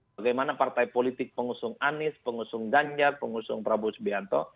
bagaimana partai politik pengusung anies pengusung ganjar pengusung prabowo subianto